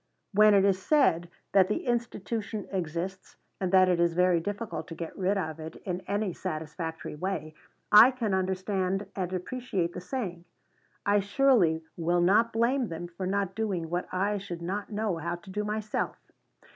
When it is said that the institution exists, and that it is very difficult to get rid of it in any satisfactory way, I can understand and appreciate the saying. I surely will not blame them for not doing what I should not know how to do myself.